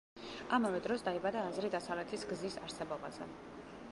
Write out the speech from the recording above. ამავე დროს დაიბადა აზრი დასავლეთის გზის არსებობაზე.